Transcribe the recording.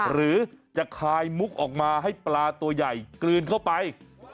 หรือจะคายมุกออกมาให้ปลาตัวใหญ่กลืนเข้าไป